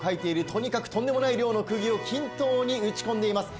とにかくとんでもない量の釘を均等に打ち込んでいます。